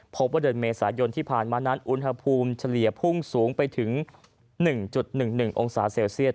พบว่าเดือนเมษายนที่ผ่านมานั้นอุณหภูมิเฉลี่ยพุ่งสูงไปถึง๑๑๑องศาเซลเซียต